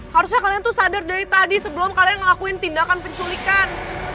harusnya kalian tuh sadar dari tadi sebelum kalian ngelakuin tindakan penculikan